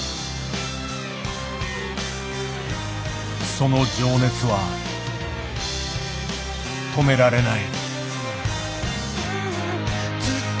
その情熱は止められない。